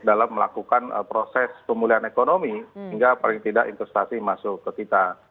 dalam melakukan proses pemulihan ekonomi hingga paling tidak investasi masuk ke kita